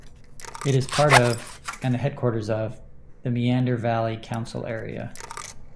It is part of, and the headquarters of, the Meander Valley Council area.